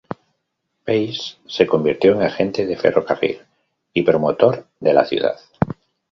Page se convirtió en agente de ferrocarril y promotor de la ciudad.